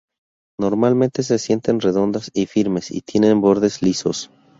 Normalmente se sienten redondas y firmes, y tienen bordes lisos.